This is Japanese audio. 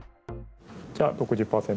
じゃあ６０％。